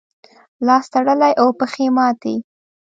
لاس تړلی او پښې ماتې.